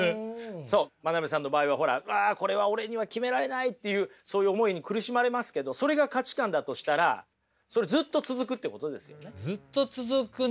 そう真鍋さんの場合はほら「うわこれは俺には決められない」っていうそういう思いに苦しまれますけどそれが価値観だとしたらそれずっと続くってことですよね。